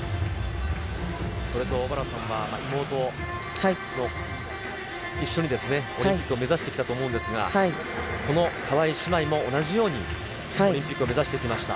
それと小原さんは、妹と一緒にオリンピックを目指してきたと思うんですが、この川井姉妹も同じように、オリンピックを目指してきました。